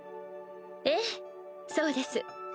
ええそうです。